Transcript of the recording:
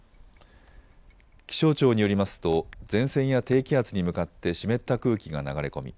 気象庁によりますと前線や低気圧に向かって湿った空気が流れ込み